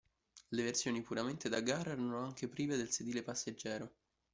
Le versioni puramente da gara erano anche prive del sedile passeggero.